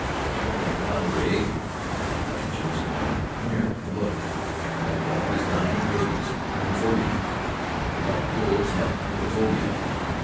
"My God! Rea!" cried Jones in horror. "Come here! Look! That dog is dying of rabies! Hydrophobia! The white wolves have hydrophobia!"